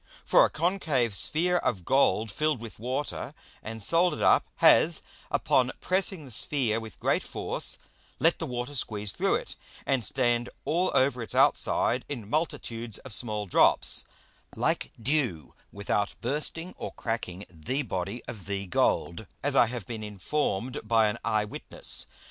For a concave Sphere of Gold filled with Water, and solder'd up, has, upon pressing the Sphere with great force, let the Water squeeze through it, and stand all over its outside in multitudes of small Drops, like Dew, without bursting or cracking the Body of the Gold, as I have been inform'd by an Eye witness.